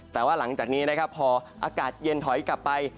แต่ว่าหลังจากนี้นะครับพออากาศเย็นถอยกลับไป